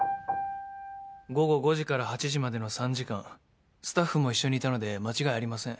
午後５時から８時までの３時間スタッフも一緒にいたので間違いありません。